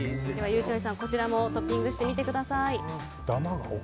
ゆうちゃみさん、こちらもトッピングしてみてください。